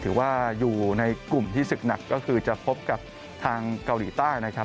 ถือว่าอยู่ในกลุ่มที่ศึกหนักก็คือจะพบกับทางเกาหลีใต้นะครับ